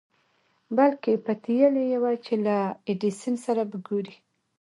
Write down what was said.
بلکې پتېيلې يې وه چې له ايډېسن سره به ګوري.